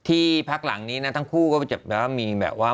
ที่พักหลังนี้นะทั้งคู่ก็จะแบบว่ามีแบบว่า